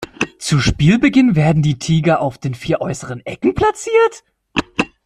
Zu Spielbeginn werden die Tiger auf den vier äußeren Ecken platziert.